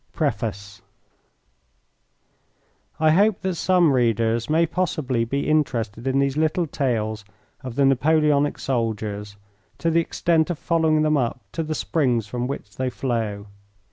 PREFACE I hope that some readers may possibly be interested in these little tales of the Napoleonic soldiers to the extent of following them up to the springs from which they flow.